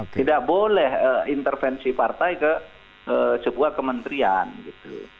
tidak boleh intervensi partai ke sebuah kementerian gitu